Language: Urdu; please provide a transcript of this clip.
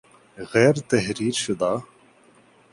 غیر تحریر شدہ